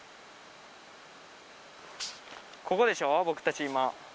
ここでしょ僕たち今。